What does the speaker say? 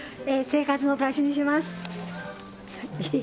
生活の足しにします。